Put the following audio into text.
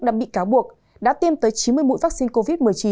năm bị cáo buộc đã tiêm tới chín mươi mũi vaccine covid một mươi chín